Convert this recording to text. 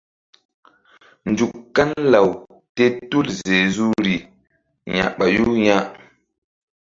Nzuk kan law te tul zezu ri ya̧ɓayu ya.